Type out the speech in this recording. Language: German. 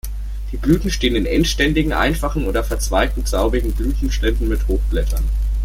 Die Blüten stehen in endständigen, einfachen oder verzweigten, traubigen Blütenständen mit Hochblättern.